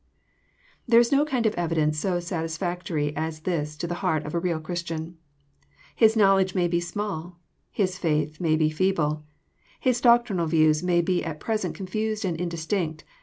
There is no kind of evidence so satisfactory as this to the heart of a real Christian. His knowledge may [be email. His faith may be feeble. His doctrinal views may be at present confused and indistinct.